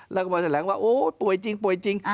แล้วก็มาแสดงว่าโอ้ป่วยจริง